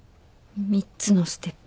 ３つのステップ。